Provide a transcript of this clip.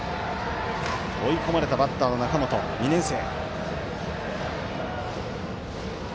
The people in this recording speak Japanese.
追い込まれたバッターの中本、２年生。